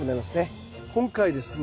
今回ですね